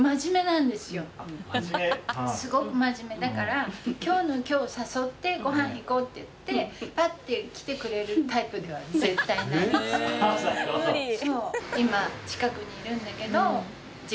すごく真面目だから今日の今日誘ってご飯行こうって言ってパッて来てくれるタイプでは絶対ないんですよ。ウケる。